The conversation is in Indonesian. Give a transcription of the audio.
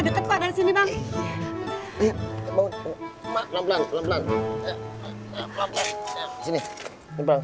deket pak dari sini bang